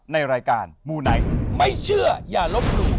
ในรายการมูไนท์ไม่เชื่ออย่าลบหลู่